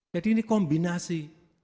jadi ini kombinasi